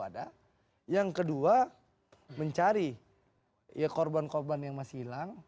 ada yang kedua mencari korban korban yang masih hilang